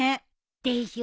でしょ？